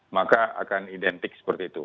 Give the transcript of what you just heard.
maka akan identik seperti itu